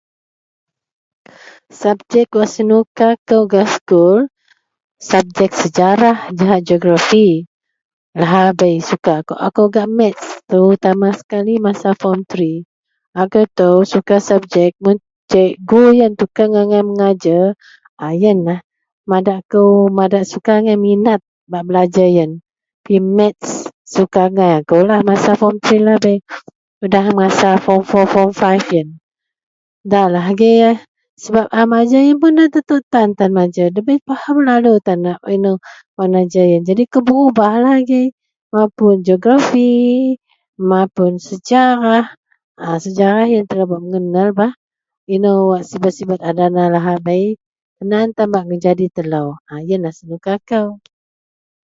Sabjek wak senuka kou gak sekul, sabjek sejarah jahak geografi, lahabei suka kawak akou gak math terutama sekali masa form three, ajau itou suka sabjek cikgu yen tikeng angai majer, a yenlah madak akou madak suka angai minta bak belajer yen, math suka kou angai masa form three lahabei, udah ngak masa form four, form five siyen ndalah agei sebap a majer yen nda tetuk tan, nda bei pahem lalu tan wak inou wak najer yen, jadi kou puun berubahlah agei mapun geografi, mapun sejarah. A sejarah yen telou bak mengenel bah, inou sibet-sibet a dana lahabei tan aan tan bak nyadin telou, a yenlah senuka kou.